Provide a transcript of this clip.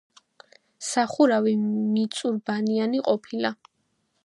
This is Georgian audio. სახურავი მიწურბანიანი ყოფილა.